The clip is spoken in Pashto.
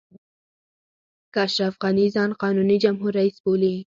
که اشرف غني ځان قانوني جمهور رئیس بولي.